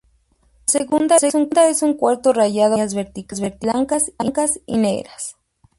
La segunda es un cuarto rayado con líneas verticales blancas y negras.